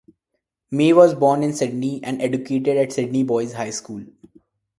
May was born in Sydney and educated at Sydney Boys High School.